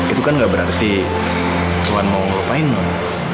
itu kan gak berarti tuan mau lupain non